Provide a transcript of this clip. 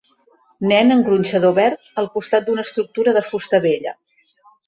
Nen en gronxador verd al costat d'una estructura de fusta vella.